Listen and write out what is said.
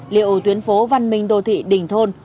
liệu tuyến phố văn minh đồ thị đình thôn